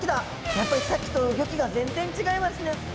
やっぱりさっきと動きが全然違いますね。